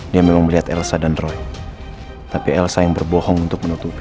dia memang melihat elsa dan roy tapi elsa yang berbohong untuk menutupi